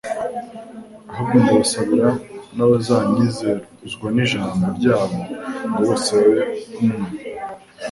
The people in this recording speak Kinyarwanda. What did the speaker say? ahubwo ndasabira n'abazanyizezwa n'ijambo ryabo; ngo bose babe umwe,